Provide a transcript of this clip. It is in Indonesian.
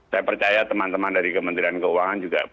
saya percaya teman teman dari kementerian keuangan juga